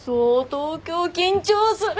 東京緊張する！